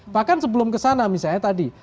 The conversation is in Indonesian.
bahkan sebelum kesana misalnya tadi